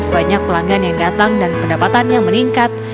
banyak pelanggan yang datang dan pendapatan yang meningkat